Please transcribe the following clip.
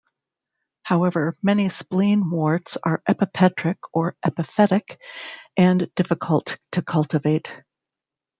However, many spleenworts are epipetric or epiphytic and difficult to cultivate.